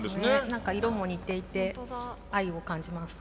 何か色も似ていて愛を感じます。